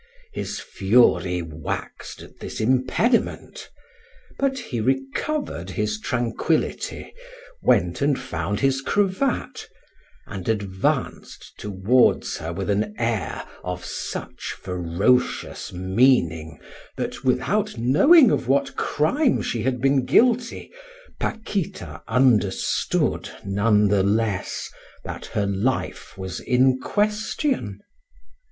His fury waxed at this impediment, but he recovered his tranquillity, went and found his cravat, and advanced towards her with an air of such ferocious meaning that, without knowing of what crime she had been guilty, Paquita understood, none the less, that her life was in question.